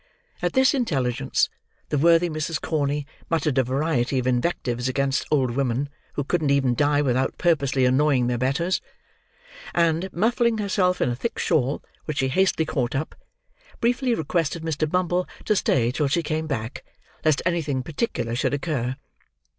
At this intelligence, the worthy Mrs. Corney muttered a variety of invectives against old women who couldn't even die without purposely annoying their betters; and, muffling herself in a thick shawl which she hastily caught up, briefly requested Mr. Bumble to stay till she came back, lest anything particular should occur.